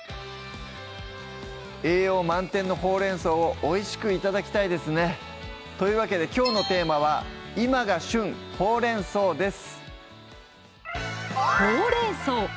栄養満点のほうれん草をおいしく頂きたいですねというわけできょうのテーマは「今が旬！ほうれん草」です